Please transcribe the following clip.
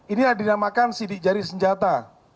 inilah dinamakan sidik jari senjata